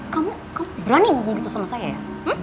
kamu berani ngomong gitu sama saya ya